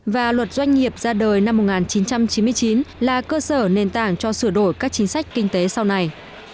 và luật doanh nghiệp ra đời năm một nghìn chín trăm chín mươi chín là cơ sở nền tảng cho sửa đổi các chính sách kinh tế sau này